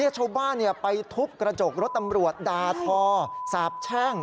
ชาวบ้านไปทุบกระจกรถตำรวจด่าทอสาบแช่ง